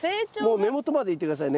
もう根元までいって下さい。